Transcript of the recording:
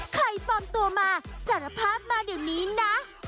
ปลอมตัวมาสารภาพมาเดี๋ยวนี้นะ